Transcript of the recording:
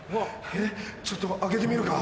えっちょっと開けてみるか？